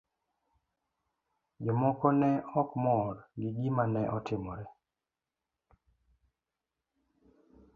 Jomoko ne ok mor gi gima ne otimore.